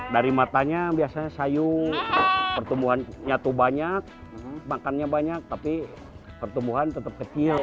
dari matanya biasanya sayung pertumbuhan nyatu banyak makannya banyak tapi pertumbuhan tetap kecil